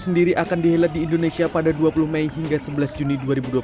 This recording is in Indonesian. u dua puluh sendiri akan dihelet di indonesia pada dua puluh mei hingga sebelas juni dua ribu dua puluh tiga